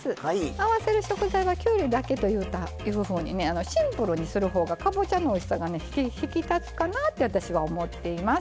合わせる食材はきゅうりだけというふうにシンプルにするほうがかぼちゃのおいしさが引き立つかなって私は思っています。